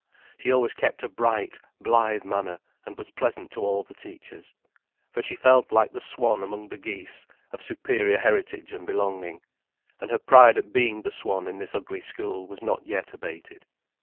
She always kept a bright, blithe manner, and was pleasant to all the teachers. For she felt like the swan among the geese, of superior heritage and belonging. And her pride at being the swan in this ugly school was not yet abated.